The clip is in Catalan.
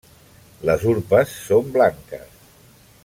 Les urpes són blanques.